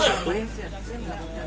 membuat camilan yang lebih baik